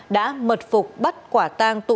đã mật phục bắt quả tang tụ điện